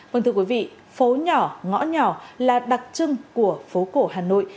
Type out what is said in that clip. phố nhỏ ngõ nhỏ là đặc trưng của phố cổ hà nội